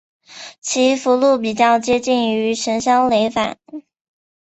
其符箓比较接近于神霄雷法。